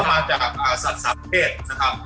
ก็มาจากสัตว์สัตว์เทศนะครับ